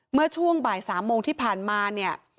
เมื่อช่วงบ่าย๓โมงที่ผ่านมาเนี่ย